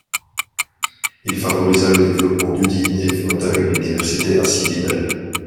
Il favorisa le développement d’Udine et fonda une Université à Cividale.